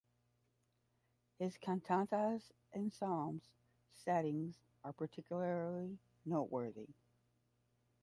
His cantatas and psalms settings are particularly noteworthy.